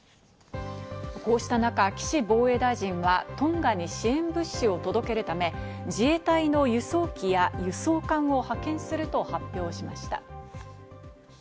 こうした中、岸防衛大臣はトンガに支援物資を届けるため、自衛隊の輸送機や輸送艦を派遣すると発表しました。